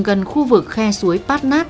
gần khu vực khe suối pát nát